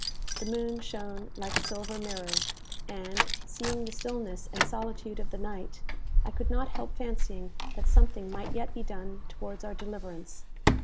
The moon shone like a silver mirror, and, seeing the stillness and solitude of the night, I could not help fancying that something might yet be done towards our deliverance.